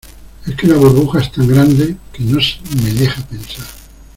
es que la burbuja es tan grande, que no me deja pensar.